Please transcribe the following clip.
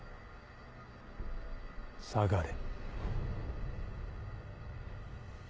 下がれ。